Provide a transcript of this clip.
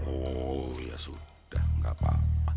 oh ya sudah nggak apa apa